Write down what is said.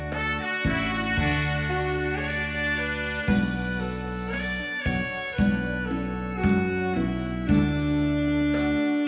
เจ้านี่่